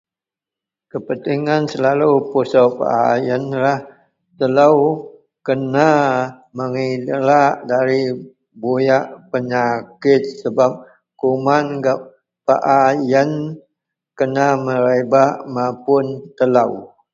Kepentingan pusok paa yianlah supaya telo kena mengelak dari buyak penyakit sebab kuman gak paa yian kena merebak mapun telo.